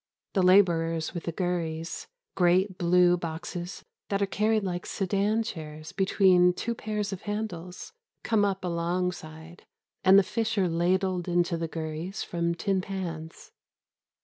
The labourers with the gurries great blue boxes that are carried like Sedan chairs between two pairs of handles come up alongside, and the fish are ladled into the gurries from tin pans.